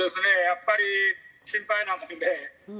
やっぱり心配なもんで。